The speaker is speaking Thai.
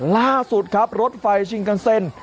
ล่าสุดครับรถไฟชิงกันเซ็น